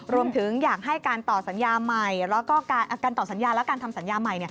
รวมถึงอยากให้การต่อสัญญาและการทำสัญญาใหม่